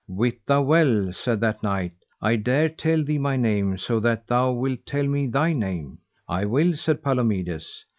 Wit thou well, said that knight, I dare tell thee my name, so that thou wilt tell me thy name. I will, said Palomides.